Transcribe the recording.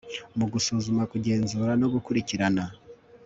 mu gusuzuma kugenzura no gukurikirana